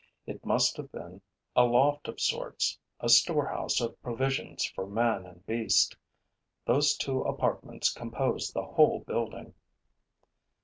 It must have been a loft of sorts, a storehouse of provisions for man and beast. Those two apartments composed the whole building.